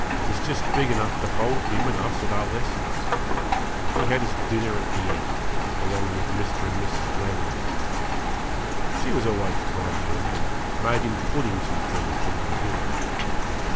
It was just big enough to hold him and us at our lessons. He had his dinner at the inn, along with Mr. and Mrs. Lammerby. She was always kind to him, and made him puddings and things when he was ill.